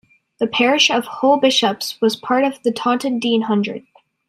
The parish of Hull-Bishop's was part of the Taunton Deane Hundred.